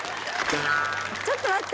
ちょっと待って！